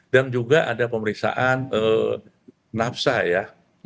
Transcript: dan juga ada pemeriksaan nafsa ya